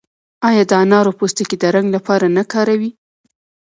آیا د انارو پوستکي د رنګ لپاره نه کاروي؟